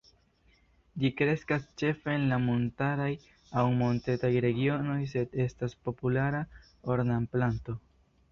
Ĝi kreskas ĉefe en la montaraj aŭ montetaj regionoj, sed estas populara ornamplanto.